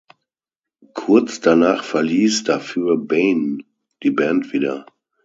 Kurz danach verließ dafür Bain die Band wieder.